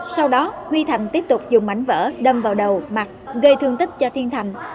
sau đó huy thành tiếp tục dùng mảnh vỡ đâm vào đầu mặt gây thương tích cho thiên thành